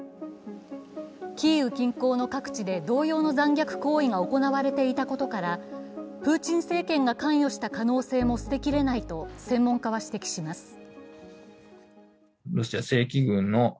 キーウ近郊の各地で同様の残虐行為が行われていたことからプーチン政権が関与した可能性も捨てきれないと専門家は指摘します。